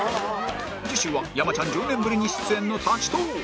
次週は山ちゃん１０年ぶりに出演の立ちトーーク